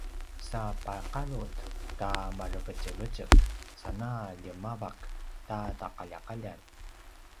sa paqarut ta marevetjevetjek sana ljemavak ta taqaljaqaljan